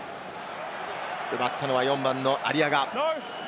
奪ったのは４番のアリアガ。